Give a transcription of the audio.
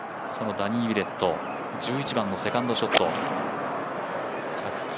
そのダニー・ウィレット１１番のセカンドショット。